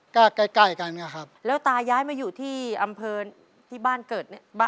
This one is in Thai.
ใกล้ใกล้กันนะครับแล้วตาย้ายมาอยู่ที่อำเภอที่บ้านเกิดเนี่ย